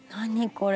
これ。